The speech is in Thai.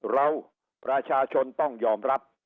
เราประชาชนต้องยอมรับ